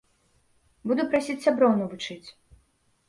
Буду прасіць сяброў навучыць.